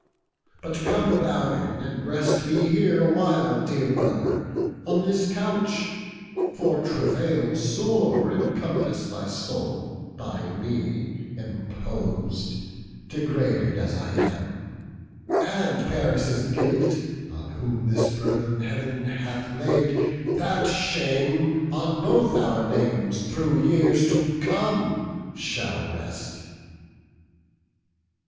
But come thou in, and rest thee here awhile, Dear brother, on this couch; for travail sore Encompasseth thy soul, by me impos'd, Degraded as I am, and Paris' guilt; On whom this burthen Heav'n hath laid, that shame On both our names through years to come shall rest."